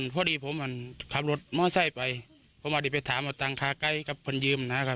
พอดีผมขับรถไม่ใช่ไปผมอาจจะไปถามเอาทางคาไกลกับผลยืมครับครับ